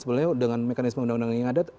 sebenarnya dengan mekanisme undang undang yang ada